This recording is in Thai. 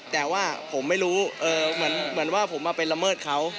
แต่ว่าผมไม่รู้เหมือนว่าผมมาไปละเมิดเขา